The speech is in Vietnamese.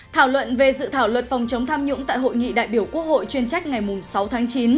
thảo luận về dự thảo luật phòng chống tham nhũng tại hội nghị đại biểu quốc hội chuyên trách ngày sáu tháng chín